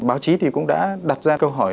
báo chí thì cũng đã đặt ra câu hỏi